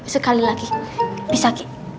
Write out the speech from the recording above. sekali lagi bisa kik